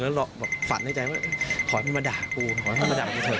ขอให้มันมาด่ากูเถอะขอให้มันมาด่ากูเถอะอะไรอย่างเงี้ย